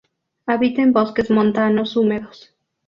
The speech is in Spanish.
Habita en bosques montanos húmedos.